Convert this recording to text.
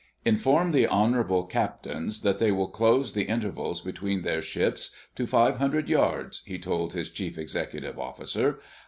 "Inform the honorable captains that they will close the intervals between their ships to five hundred yards," he told his chief executive officer.